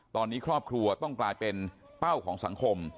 ตอนนี้ครอบครัวต้องกลายเป็นเป้าของสังคม